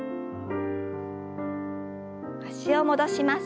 脚を戻します。